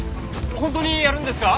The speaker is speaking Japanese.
本当にやるんですか？